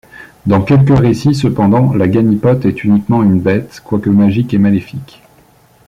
Dans quelques récits cependant, la ganipote est uniquement une bête, quoique magique et maléfique.